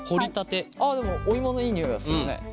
あでもお芋のいい匂いがするね。